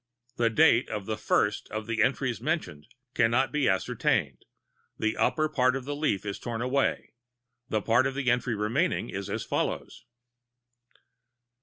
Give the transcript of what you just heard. The date of the first of the entries mentioned can not be ascertained; the upper part of the leaf is torn away; the part of the entry remaining is as follows